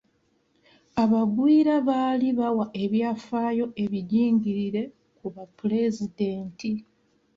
Abagwira baali bawa ebyafaayo ebijingirire ku bapulezidenti.